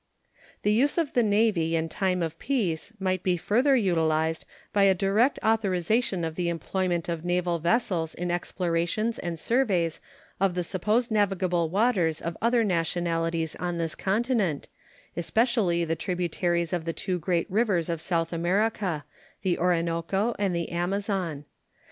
The use of the Navy in time of peace might be further utilized by a direct authorization of the employment of naval vessels in explorations and surveys of the supposed navigable waters of other nationalities on this continent, especially the tributaries of the two great rivers of South America, the Orinoco and the Amazon.